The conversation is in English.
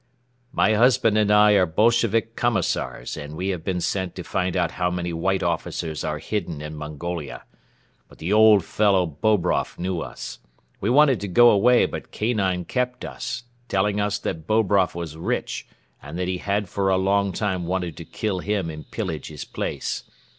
"'My husband and I are Bolshevik commissars and we have been sent to find out how many White officers are hidden in Mongolia. But the old fellow Bobroff knew us. We wanted to go away but Kanine kept us, telling us that Bobroff was rich and that he had for a long time wanted to kill him and pillage his place.